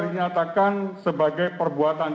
dinyatakan sebagai perbuatan